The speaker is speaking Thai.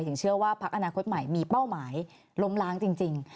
เชื่อว่าพักอนาคตใหม่มีเป้าหมายล้มล้างจริง